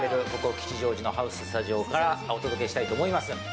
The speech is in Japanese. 吉祥寺のハウススタジオからお届けしたいと思います。